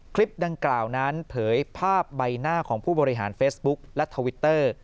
คลิปดังกล่าวนั้นเผยภาพใบหน้าของผู้บริหารเฟซบุ๊กและทวิตเตอร์